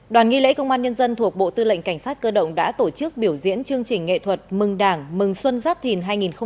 đoàn nghi lễ công an nhân dân thuộc bộ tư lệnh cảnh sát cơ động đã tổ chức biểu diễn chương trình nghệ thuật mừng đảng mừng xuân giáp thìn hai nghìn hai mươi bốn